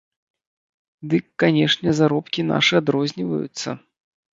Дык, канешне, заробкі нашы адрозніваюцца!